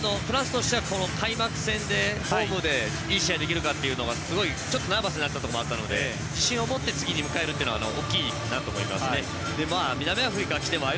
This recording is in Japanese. フランスとしては開幕戦でホームでいい試合ができるかちょっとナーバスになっているところがあったので自信を持って次にいけるのは大きいと思います。